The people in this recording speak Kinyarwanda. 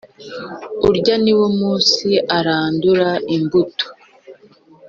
Urya ni wo munsi arandura imbuto